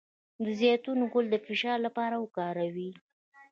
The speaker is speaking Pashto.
د زیتون ګل د فشار لپاره وکاروئ